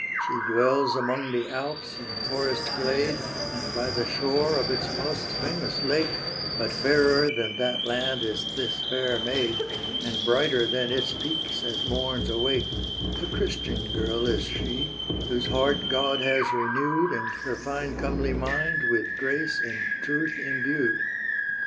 "She dwells among the Alps, in forest glade, And by the shore of its most famous lake; But fairer than that land is this fair maid; And brighter than its peaks at morn's awake; A Christian girl is she, whose heart God has renewed, And her fine, comely mind with grace and truth embued."